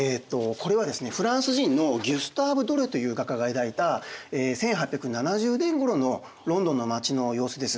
これはですねフランス人のギュスターヴ・ドレという画家が描いた１８７０年ごろのロンドンの街の様子です。